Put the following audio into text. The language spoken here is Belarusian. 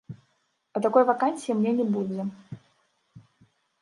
А такой вакансіі мне не будзе.